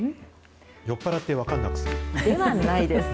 酔っぱらって分かんなくする？